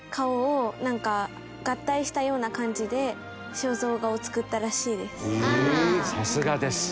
肖像画を作ったらしいです。